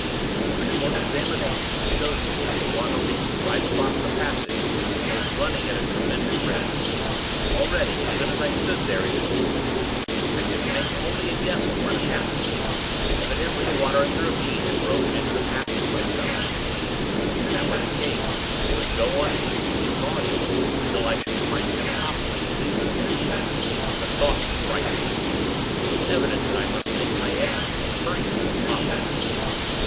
A short examination showed me that the water reached right across the passage, and was running at a tremendous rate. Already, even as I stood there, it had deepened. I could make only a guess at what had happened. Evidently, the water in the ravine had broken into the passage, by some means. If that were the case, it would go on increasing in volume, until I should find it impossible to leave the place. The thought was frightening. It was evident that I must make my exit as hurriedly as possible.